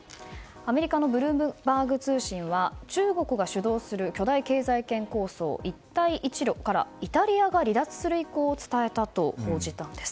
アメリカのブルームバーグ通信は中国が主導する巨大経済圏構想、一帯一路からイタリアが離脱する意向を伝えたと報じたんです。